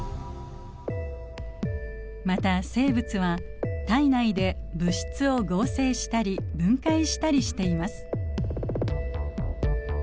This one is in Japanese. また生物は体内で物質を合成したり分解したりしています。